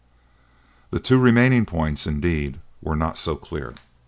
The two remaining points, indeed, were not so clear.